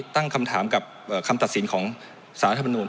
ตั้งคำถามกับคำตัดสินของสารรัฐมนุน